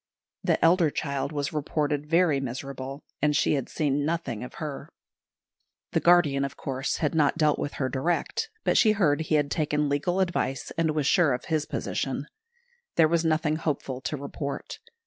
The elder child was reported very miserable, and she had seen nothing of her. The guardian, of course, had not dealt with her direct; but she heard he had taken legal advice, and was sure of his position. There was nothing hopeful to report.